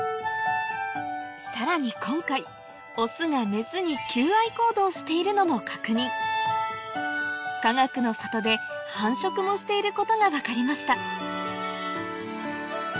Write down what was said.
さらに今回オスがメスに求愛行動しているのも確認もしていることが分かりました